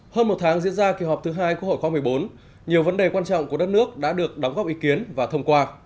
hơn một tháng diễn ra kỳ họp thứ hai quốc hội khóa một mươi bốn nhiều vấn đề quan trọng của đất nước đã được đóng góp ý kiến và thông qua